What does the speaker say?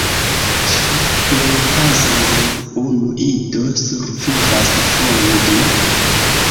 Ĉe plej kazoj nur unu ido survivas, foje du.